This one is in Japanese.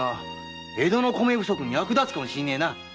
江戸の米不足に役立つかもしれねえな。